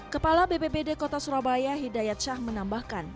kepala bbbd kota surabaya hidayat shah menambahkan